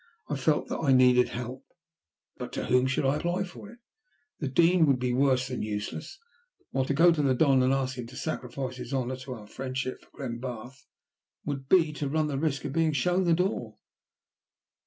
I felt that I needed help, but to whom should I apply for it? The Dean would be worse than useless; while to go to the Don and to ask him to sacrifice his honour to our friendship for Glenbarth would be to run the risk of being shown the door.